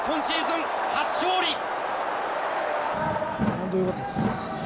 本当によかったです。